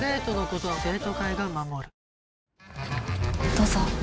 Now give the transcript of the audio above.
どうぞ。